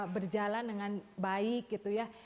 berjalan dengan baik gitu ya